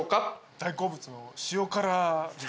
大好物の塩辛です。